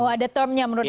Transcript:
oh ada termnya menurut anda